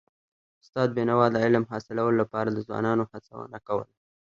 استاد بينوا د علم حاصلولو لپاره د ځوانانو هڅونه کوله.